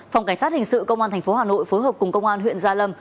phòng cảnh sát hình sự công an thành phố hà nội phối hợp cùng công an huyện gia lâm